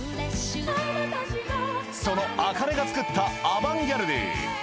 その ａｋａｎｅ が作ったアバンギャルディ